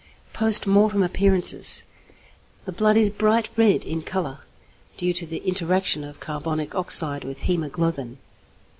Post Mortem Appearances. The blood is bright red in colour, due to the interaction of carbonic oxide with hæmoglobin.